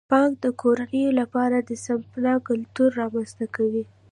بانک د کورنیو لپاره د سپما کلتور رامنځته کوي.